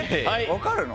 分かるの？